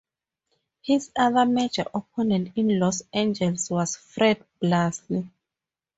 His other major opponent in Los Angeles was Fred Blassie.